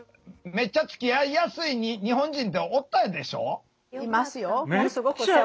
めっちゃつきあいやすい日本人っておったでしょ？